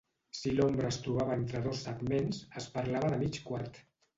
Si l'ombra es trobava entre dos segments, es parlava de mig quart.